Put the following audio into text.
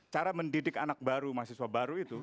cara mendidik anak baru mahasiswa baru itu